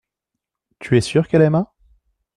Tu es sûr qu’elle aima.